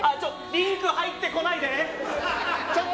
リンクに入ってこないで！